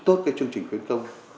tốt cái chương trình khuyến công